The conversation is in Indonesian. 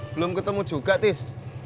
belum ketemu juga tis